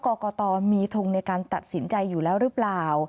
กรกตมีทงในการตัดสินใจอยู่แล้วหรือเปล่า